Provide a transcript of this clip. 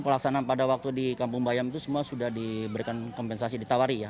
pelaksanaan pada waktu di kampung bayam itu semua sudah diberikan kompensasi ditawari ya